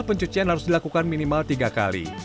pencucian harus dilakukan minimal tiga kali